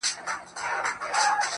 زه مي له ژونده په اووه قرآنه کرکه لرم.